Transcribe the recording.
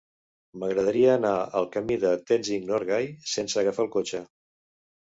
M'agradaria anar al camí de Tenzing Norgay sense agafar el cotxe.